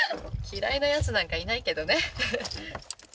嫌いなやつなんかいないけどね。